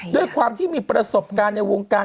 ด้วยความที่มีประสบการณ์ในวงการ